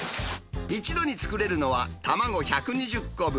一度に作れるのは卵１２０個分。